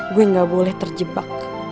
gue gak boleh terjebak